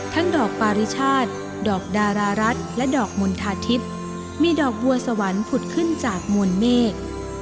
ดอกปาริชาติดอกดารารัฐและดอกมณฑาทิพย์มีดอกบัวสวรรค์ผุดขึ้นจากมวลเมฆ